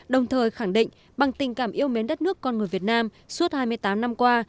đồng thời khẳng định bằng tình cảm yêu mến đất nước con người việt nam suốt hai mươi tám năm qua